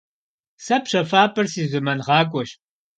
Сэ пщэфӏапӏэр си зэмангъакӏуэщ.